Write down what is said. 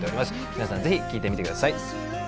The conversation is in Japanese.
皆さんぜひ聴いてみてください。